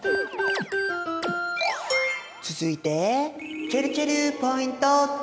続いてちぇるちぇるポイント２！